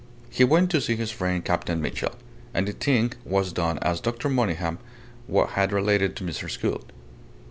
He went to see his friend Captain Mitchell and the thing was done as Dr. Monygham had related to Mrs. Gould.